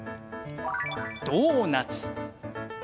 ドーナツ。